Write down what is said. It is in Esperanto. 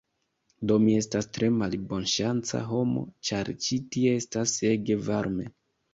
Do mi estas tre malbonŝanca homo, ĉar ĉi tie estas ege varme